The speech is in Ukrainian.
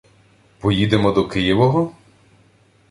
— Поїдемо до Києвого?